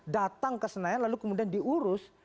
datang ke senayan lalu kemudian diurus